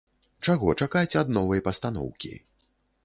Чаго чакаць ад новай пастаноўкі?